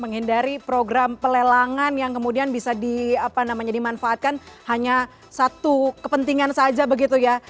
menghindari program pelelangan yang kemudian bisa dimanfaatkan hanya satu kepentingan saja begitu ya